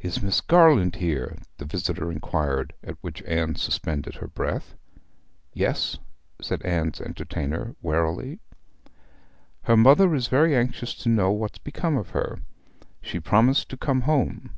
'Is Miss Garland here?' the visitor inquired, at which Anne suspended her breath. 'Yes,' said Anne's entertainer, warily. 'Her mother is very anxious to know what's become of her. She promised to come home.'